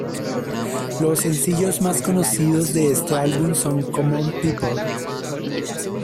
Los sencillos más conocidos de este álbum son "Common People".